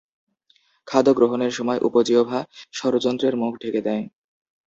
খাদ্য গ্রহণের সময় উপজিহ্বা স্বরযন্ত্রের মুখ ঢেকে দেয়।